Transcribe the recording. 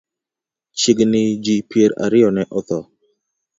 Chiegni ji piero ariyo ne otho.